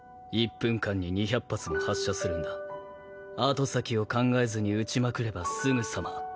後先を考えずに撃ちまくればすぐさま。